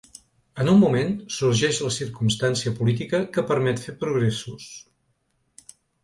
En un moment, sorgeix la circumstància política que permet fer progressos.